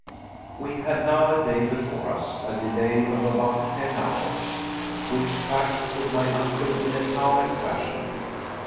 We had now a day before us, a delay of about ten hours. Which fact put my uncle in a towering passion.